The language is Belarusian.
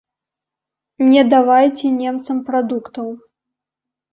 Не давайце немцам прадуктаў!